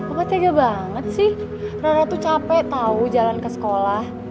opa tega banget sih rara tuh capek tau jalan ke sekolah